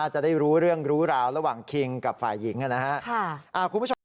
จะได้รู้เรื่องรู้ราวระหว่างคิงกับฝ่ายหญิงกันนะครับ